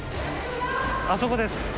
あそこです。